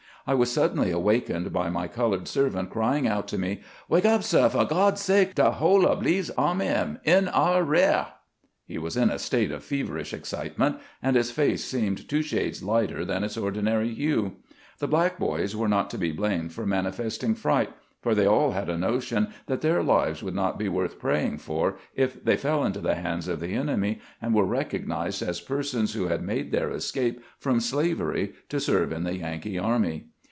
I was suddenly awakened by my colored servant crying out to me :" Wake up, sah, fo' God's sake ! De whole ob Lee's army am in our reah !" He was in a state of feverish excitement, and his face seemed two shades lighter than its ordinary hue. The black boys were not to be blamed for manifesting fright, for they aU had a notion that their lives would not be worth praying for if they fell into the hands of the enemy and were recog 126 ATTEMPT TO TDBN OUK EIGHT 127 nized as persons who had made their escape from sla very to serve in the Yankee army.